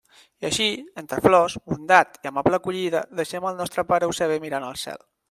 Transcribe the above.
I així, entre flors, bondat i amable acollida, deixem el nostre pare Eusebi mirant al cel.